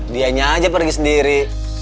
dianya aja pergi sendiri